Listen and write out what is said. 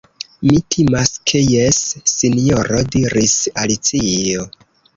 "Mi timas ke jes, Sinjoro," diris Alicio. "